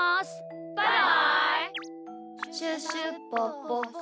バイバイ！